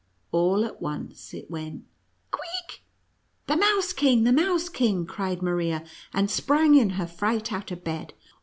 All at once, it went " Queek !"" The Mouse King! — the Mouse King!" cried Maria, and sprang in her fright out of bed.